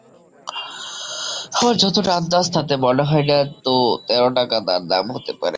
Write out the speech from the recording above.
আমার যতটা আন্দাজ তাতে মনে হয় না তো তেরো টাকা তার দাম হতে পারে।